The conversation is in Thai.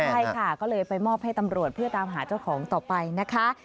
ใช่ค่ะก็เลยไปมอบให้ตำรวจเพื่อตามหาเจ้าของต่อไปนะคะ